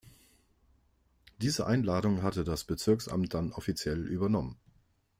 Diese Einladung hatte das Bezirksamt dann offiziell übernommen.